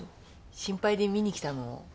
心配で見に来たの？